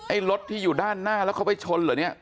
รถที่อยู่ด้านหน้าแล้วเขาไปชนเหรอเนี่ย